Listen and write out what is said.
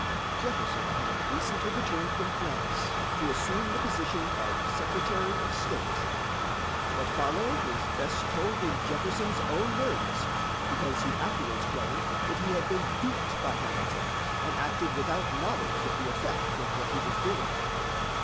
Jefferson had recently returned from France to assume the position of Secretary of State. What followed is best told in Jefferson's own words, because he afterwards claimed that he had been "duped" by Hamilton and acted without knowledge of the effect of what he was doing.